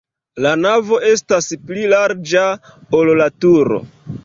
La navo estas pli larĝa, ol la turo.